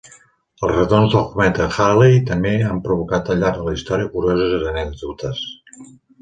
Els retorns del cometa Halley també han provocat al llarg de la història curioses anècdotes.